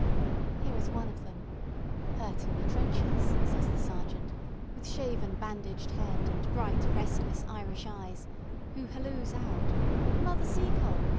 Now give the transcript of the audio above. Here is one of them "hurt in the trenches," says the Sergeant, with shaven bandaged head, and bright, restless, Irish eyes, who hallooes out, "Mother Seacole!